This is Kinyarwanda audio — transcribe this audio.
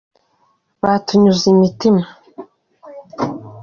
Batunyuze imitima